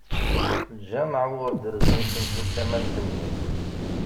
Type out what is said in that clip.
Ljameɛ uɣur d-rezzun si mkul tama n temdint.